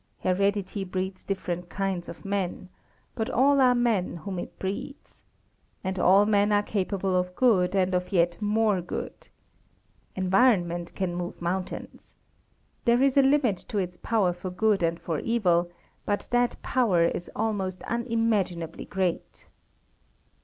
Heredity breeds different kinds of men. But all are men whom it breeds. And all men are capable of good, and of yet more good. Environment can move mountains. There is a limit to its power for good and for evil, but that power is almost unimaginably great.